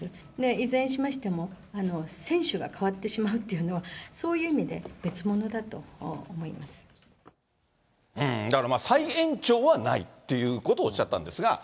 いずれにしましても、選手が変わってしまうというのは、そういう意味で、だからまあ、再延長はないっていうことをおっしゃったんですが。